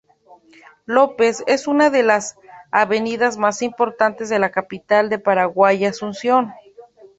López, es una de las avenidas más importantes de la capital del Paraguay, Asunción.